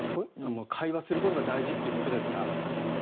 会話することが大事ということですか。